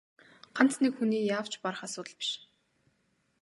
Ганц нэг хүний яавч барах асуудал биш.